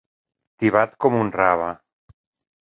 Tibat com un rave.